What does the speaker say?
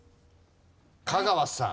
香川さん。